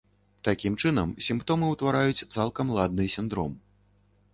Такім чынам, сімптомы ўтвараюць цалкам ладны сіндром.